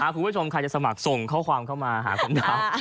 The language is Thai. คุณผู้ชมใครจะสมัครส่งข้อความเข้ามาหาผมดาว